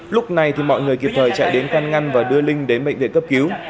lúc này mọi người kịp thời chạy đến căn ngăn và đưa linh đến bệnh viện cấp cứu